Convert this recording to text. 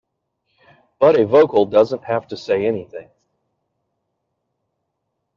But a vocal doesn't have to say anything.